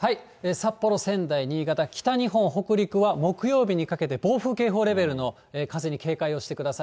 札幌、仙台、新潟、北日本、北陸は木曜日にかけて、暴風警報レベルの風に警戒をしてください。